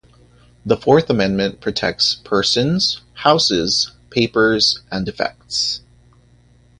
The Fourth Amendment protects "persons, houses, papers, and effects".